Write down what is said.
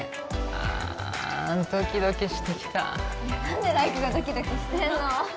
あドキドキしてきた何で来玖がドキドキしてんの？